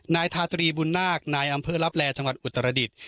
นายทาตรีบุลนากนายอำเพิร์รับแรจังหวัดอุตรฐรดิต